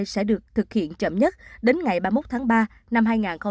sẽ được thực hiện chậm nhất đến ngày ba mươi một tháng ba năm hai nghìn hai mươi